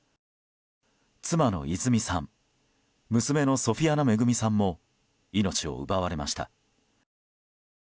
妻の泉さん娘のソフィアナ恵さんも命を奪われました。